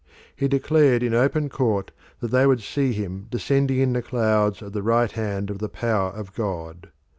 He declared in open court that they would see him descending in the clouds at the right hand of the power of God.